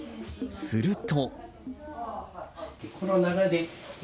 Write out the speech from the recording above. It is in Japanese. すると。